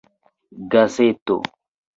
gazeto